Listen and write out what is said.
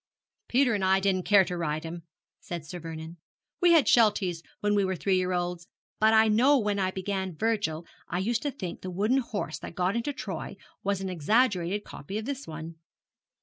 'Peter and I didn't care to ride him,' said Sir Vernon. 'We had Shelties when we were three year olds; but I know when I began Virgil I used to think the wooden horse that got into Troy was an exaggerated copy of this one.